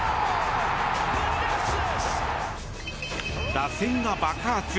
打線が爆発！